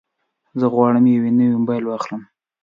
زه غواړم یو نوی موبایل واخلم.